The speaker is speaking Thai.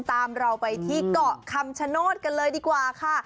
ตามเราไปที่เกาะคำชโนธกันเลยดีกว่าค่ะ